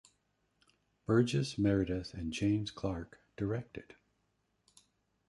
Burgess Meredith and James Clark directed.